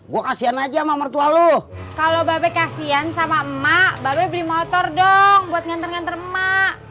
buat motor dong buat ngantar ngantar mak